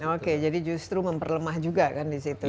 oke jadi justru memperlemah juga kan di situ